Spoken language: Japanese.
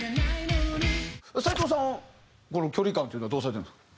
斎藤さんはこの距離感というのはどうされてるんですか？